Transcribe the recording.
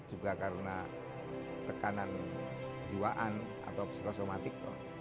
juga karena tekanan jiwaan atau psikosomatik